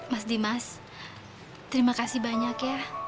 mas dimas terima kasih banyak ya